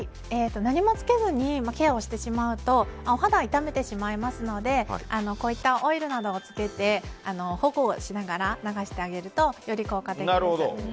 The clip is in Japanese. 何もつけずにケアをしてしまうとお肌を傷めてしまいますのでこうしたオイルなどをつけて保護をしながら流してあげるとより効果的です。